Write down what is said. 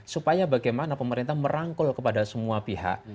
supaya bagaimana pemerintah merangkul kepada semua pihak